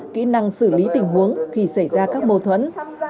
kỹ năng xử lý tình huống khi xảy ra các mâu thuẫn